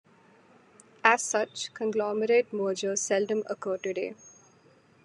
As such, conglomerate mergers seldom occur today.